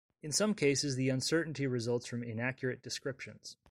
In some cases, the uncertainty results from inaccurate descriptions.